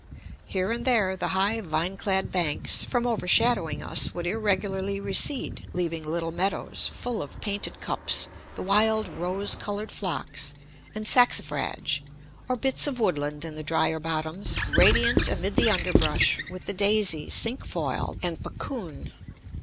Here and there the high vine clad banks, from overshadowing us would irregularly recede, leaving little meadows, full of painted cups, the wild rose colored phlox and saxifrage; or bits of woodland in the dryer bottoms, radiant, amid the underbrush, with the daisy, cinque foil, and puccoon.